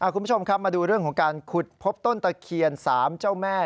คุณผู้ชมครับมาดูเรื่องของการขุดพบต้นตะเคียน๓เจ้าแม่